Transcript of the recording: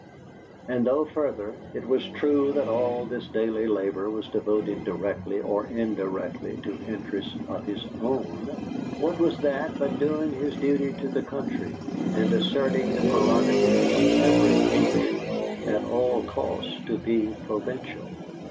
And though, further, it was true that all this daily labour was devoted directly or indirectly to interests of his own, what was that but doing his duty to the country and asserting the prerogative of every Englishman at all costs to be provincial?